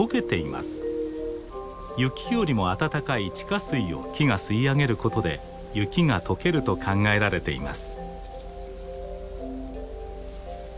雪よりも温かい地下水を木が吸い上げることで雪が解けると考えられています。